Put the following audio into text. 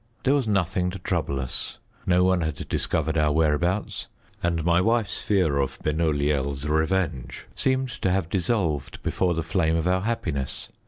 There was nothing to trouble us; no one had discovered our whereabouts, and my wife's fear of Benoliel's revenge seemed to have dissolved before the flame of our happiness.